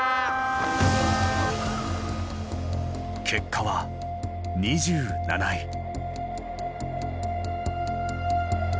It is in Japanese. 結果は２７位。